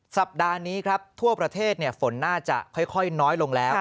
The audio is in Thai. สัปดาห์นี้ครับทั่วประเทศฝนน่าจะค่อยน้อยลงแล้ว